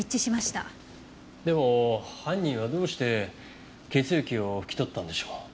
でも犯人はどうして血液を拭き取ったんでしょう？